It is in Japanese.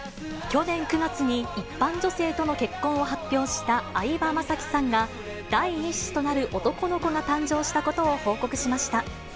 去年９月に一般女性との結婚を発表した相葉雅紀さんが、第１子となる男の子が誕生したことを報告しました。